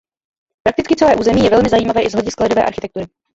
Prakticky celé území je velmi zajímavé i z hlediska lidové architektury.